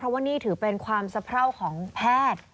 เพราะว่านี่ถือเป็นความสะเพราของแพทย์